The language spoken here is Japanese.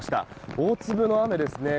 大粒の雨ですね。